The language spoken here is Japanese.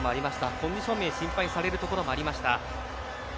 コンディション面心配されるところもありました。